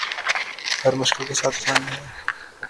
ہر مشکل کے ساتھ آسانی ہے